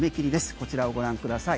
こちらをご覧ください。